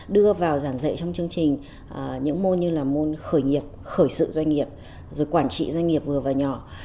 đưa vào giảng dạy trong chương trình những môn như là môn khởi nghiệp khởi sự doanh nghiệp rồi quản trị doanh nghiệp vừa và nhỏ